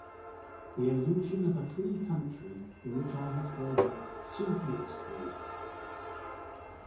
The illusion of a 'free country' in which I had grown up simply exploded.